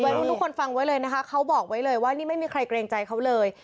รุ่นทุกคนฟังไว้เลยนะคะเขาบอกไว้เลยว่านี่ไม่มีใครเกรงใจเขาเลย